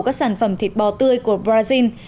các sản phẩm thịt bò tươi của brazil